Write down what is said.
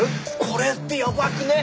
「これってやばくね？